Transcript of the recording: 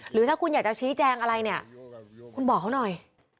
หรือถ้าคุณอยากจะชี้แจงอะไรเนี่ยคุณบอกเขาหน่อย